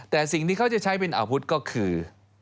แต่สิ่งที่เขาจะใช้เป็นอาวุธก็คือ